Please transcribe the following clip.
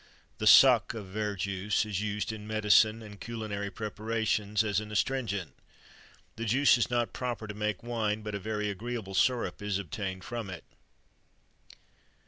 The suc of verjuice is used in medicine and culinary preparation as an astringent. The juice is not proper to make wine, but a very agreeable syrup is obtained from it.